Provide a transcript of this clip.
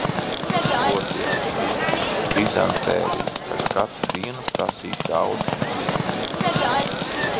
Plosījās tīfs, dizentērija, kas katru dienu prasīja daudz dzīvību.